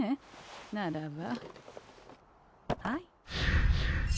ならばはい。